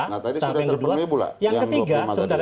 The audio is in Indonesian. nah tadi sudah terpenuh lah yang dua puluh lima tadi